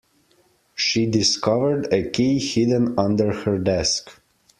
She discovered a key hidden under her desk.